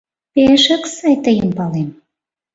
Пе-ешак сай тыйым палем.